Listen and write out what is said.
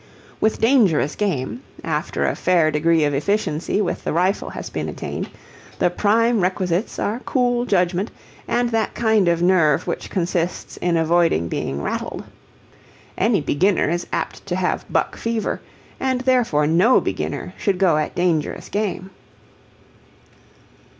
With dangerous game, after a fair degree of efficiency with the rifle has been attained, the prime requisites are cool judgment and that kind of nerve which consists in avoiding being rattled. Any beginner is apt to have "buck fever," and therefore no beginner should go at dangerous game.